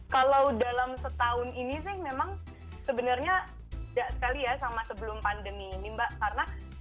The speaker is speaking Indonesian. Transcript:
kalau dalam setahun ini sih memang sebenarnya tidak sekali ya sama sebelum pandemi ini mbak karena